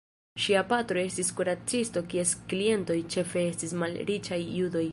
Ŝia patro estis kuracisto kies klientoj ĉefe estis malriĉaj judoj.